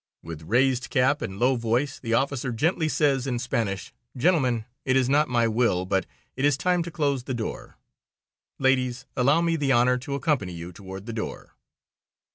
With raised cap and low voice the officer gently says in Spanish: "Gentlemen, it is not my will, but it is time to close the door. Ladies, allow me the honor to accompany you toward the door."